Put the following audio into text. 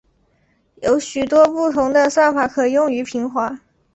有许多不同的算法可用于平滑。